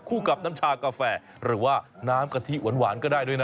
กับน้ำชากาแฟหรือว่าน้ำกะทิหวานก็ได้ด้วยนะ